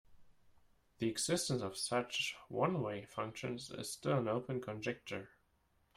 The existence of such one-way functions is still an open conjecture.